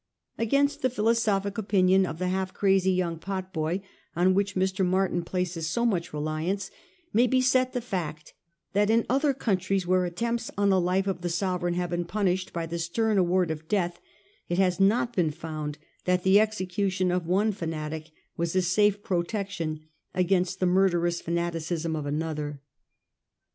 Against the philosophic opinion of the half crazy young potboy on which Mr. Martin places so much reliance, may be set the fact, that in other countries where attempts on the life of the sove • reign have been punished by the stern award of death, it has not been found that the execution of one fanatic was a safe protection against the murderous fana ticism of another.